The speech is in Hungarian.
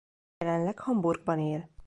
Jelenleg Hamburgban él.